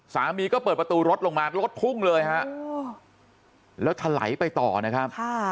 สามีก็เปิดประตูรถลงมารถพุ่งเลยฮะแล้วถลายไปต่อนะครับ